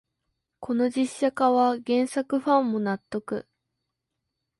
この実写化は原作ファンも納得